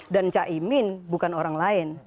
dan caimin bukan orang lain